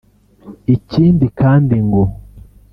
Ikindi kandi ngo